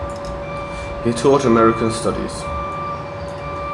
He taught American studies.